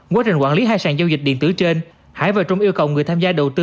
quá trình quản lý hai sàn giao dịch điện tử trên hải và trung yêu cầu người tham gia đầu tư